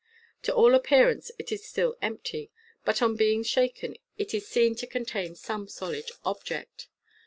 To all appearance it is still empty ; but on being shaken it is seen to contain some solid object.